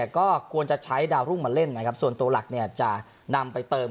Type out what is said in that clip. ก็ควรจะใช้ดมาเล่นอย่างงี้ครับส่วนตัวหลักเนี้ยจะนำไปเติบ